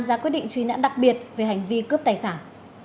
ra quyết định truy nã đặc biệt về hành vi cướp tài sản